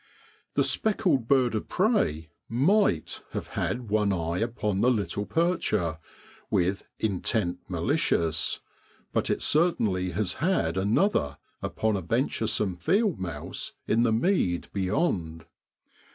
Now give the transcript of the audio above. The speckled bird of prey might have had one eye upon the little percher, with 'intent malicious,' but it certainly has had another upon a. venturesome field mouse in the mead beyond.